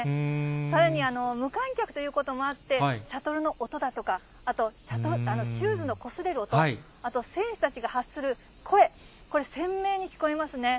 さらに無観客ということもあって、シャトルの音だとか、あとシューズのこすれる音、あと選手たちが発する声、これ、鮮明に聞こえますね。